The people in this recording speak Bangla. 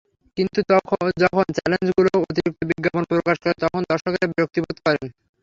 কিন্তু যখন চ্যানেলগুলো অতিরিক্ত বিজ্ঞাপন প্রকাশ করে, তখন দর্শকেরা বিরক্তিবোধ করেন।